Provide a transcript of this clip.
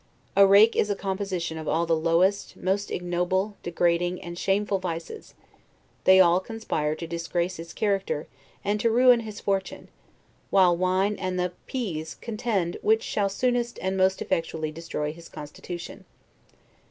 A rake is a composition of all the lowest, most ignoble, degrading, and shameful vices; they all conspire to disgrace his character, and to ruin his fortune; while wine and the p s contend which shall soonest and most effectually destroy his constitution.